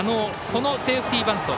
このセーフティーバント。